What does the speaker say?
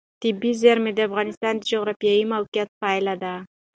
طبیعي زیرمې د افغانستان د جغرافیایي موقیعت پایله ده.